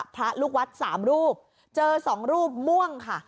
พระลูกวัด๓รูปเจอ๒รูปม่วงค่ะ